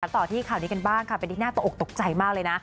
ต่อที่ข่าวนี้กันบ้างค่ะเป็นที่น่าตกอกตกใจมากเลยนะ